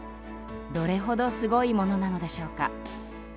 どれくらいすごいものなのでしょうか。